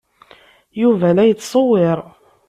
Yuba la yettṣewwir.